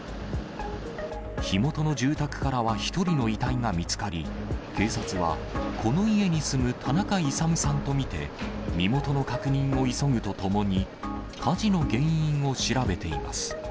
火元の住宅からは１人の遺体が見つかり、警察はこの家に住む田中勇さんと見て身元の確認を急ぐとともに、火事の原因を調べています。